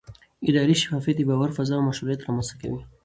اداري شفافیت د باور فضا او مشروعیت رامنځته کوي